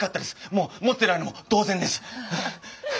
もう持ってないのも同然です！